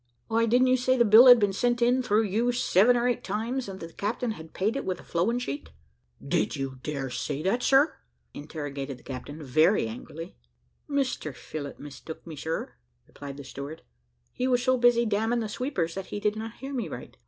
"Why, didn't you say that the bill had been sent in, through you, seven or eight times, and that the captain had paid it with a flowing sheet?" "Did you dare say that, sir?" interrogated the captain, very angrily. "Mr Phillott mistook me, sir," replied the steward. "He was so busy damning the sweepers, that he did not hear me right.